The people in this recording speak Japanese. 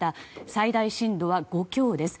最大震度は５強です。